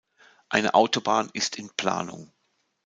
Eine Autobahn ist in Planung.